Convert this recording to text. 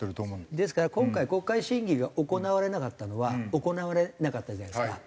ですから今回国会審議が行われなかったのは行われなかったじゃないですか。